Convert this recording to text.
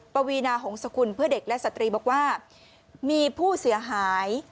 ปวีนาหงษกุลเพื่อเด็กและสตรีบอกว่ามีผู้เสียหาย